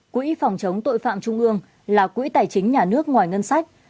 quỹ phòng chống tội phạm trung ương là quỹ tài chính nhà nước ngoài ngân sách